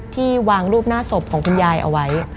ที่วางรูปหน้าศพของคุณยายเอาไว้